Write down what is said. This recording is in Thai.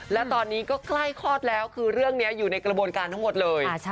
และตอนนี้ก็ใกล้คลอดแล้วคือเรื่องนี้อยู่ในกระบวนการทั้งหมดเลย